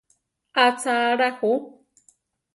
¿Acha alá ju?